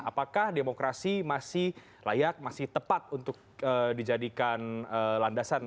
apakah demokrasi masih layak masih tepat untuk dijadikan landasan